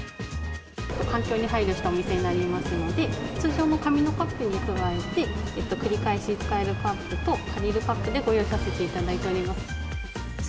環境に配慮したお店になりますので、通常の紙のカップに加えて、繰り返し使えるカップと借りるカップでご用意させていただいております。